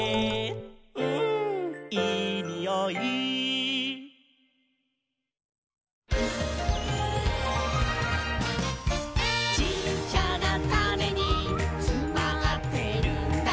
「うんいいにおい」「ちっちゃなタネにつまってるんだ」